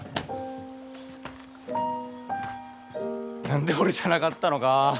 何で俺じゃなかったのか。